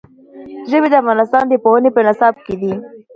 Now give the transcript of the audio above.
ژبې د افغانستان د پوهنې په نصاب کې دي.